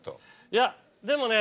いやでもね。